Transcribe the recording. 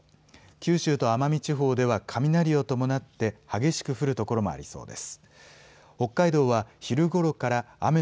九州と奄美地方では雷を伴って激しく降る所もありそうです。